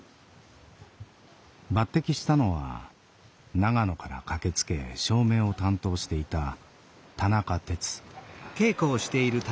抜てきしたのは長野から駆けつけ照明を担当していた田中哲。